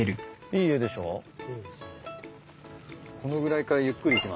このぐらいからゆっくり行きます。